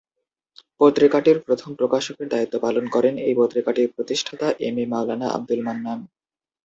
পত্রিকাটির প্রথম প্রকাশকের দায়িত্ব পালন করেন এই পত্রিকাটির প্রতিষ্ঠাতা এম এ মাওলানা আবদুল মান্নান।